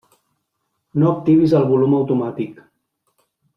No activis el volum automàtic.